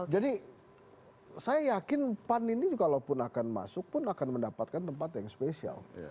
jadi saya yakin pan ini kalau pun akan masuk pun akan mendapatkan tempat yang spesial